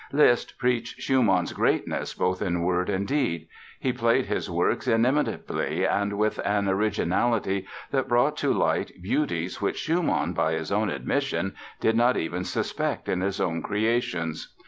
Liszt preached Schumann's greatness both in word and deed. He played his works inimitably and with an originality that brought to light beauties which Schumann, by his own admission, did not even suspect in his own creations.